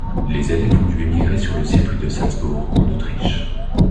Les Élephs ont dû émigrer sur le circuit de Salzbourg, en Autriche.